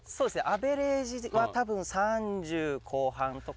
アベレージは多分３０後半とか。